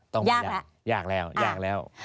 ต้องระยะยากแล้ว